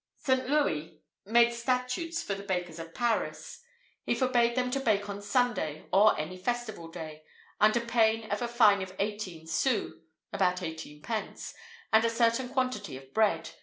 [IV 77] Saint Louis made statutes for the bakers of Paris. He forbade them to bake on Sunday or any festival day, under pain of a fine of eighteen sous (about eight pence), and a certain quantity of bread.